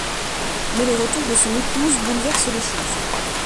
Mais le retour de son épouse bouleverse les choses.